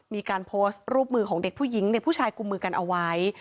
มีการโพสต์รูปมือของเด็กผู้หญิงเด็กผู้ชายกลุ่มมือกันเอาไว้